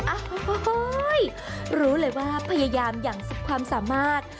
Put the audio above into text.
โอ้โหรู้เลยว่าพยายามอย่างสุดความสามารถ